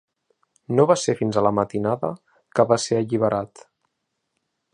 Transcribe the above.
No va ser fins a la matinada que va ser alliberat.